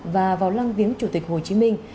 và vào lăng viếng chủ tịch hồ chí minh